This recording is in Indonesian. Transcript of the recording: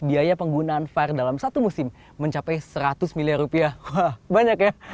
biaya penggunaan var dalam satu musim mencapai seratus miliar rupiah banyak ya